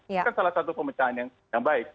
itu kan salah satu pemecahan yang baik